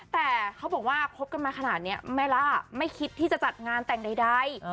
แต่เขาบอกว่าคบกันมาขนาดนี้แม่ล่าไม่คิดที่จะจัดงานแต่งใด